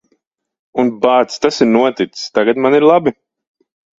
Un, bāc, tas ir noticis. Tagad man ir labi.